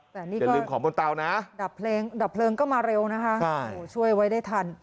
แต่นี่ก็อย่าลืมขอบบนเตานะดับเพลงก็มาเร็วนะฮะโอ้โหช่วยไว้ได้ทัน